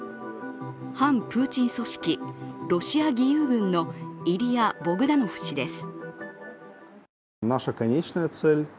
反プーチン組織ロシア義勇軍のイリヤ・ボグダノフ氏です。